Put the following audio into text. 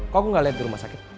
kok aku gak liat di rumah sakit